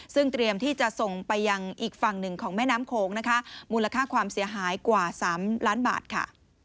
ซึ่งเตรียมที่จะส่งไปยังอีกฝั่งหนึ่งของแม่น้ำโขงนะคะมูลค่าความเสียหายกว่า๓ล้านบาทค่ะ